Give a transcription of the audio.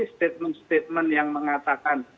statement statement yang mengatakan